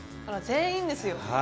あら全員ですよ。